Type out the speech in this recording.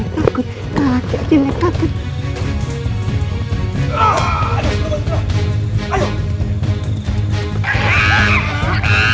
pakai jelek takut